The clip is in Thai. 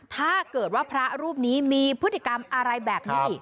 ถ้าเกิดว่าพระรูปนี้มีพฤติกรรมอะไรแบบนี้อีก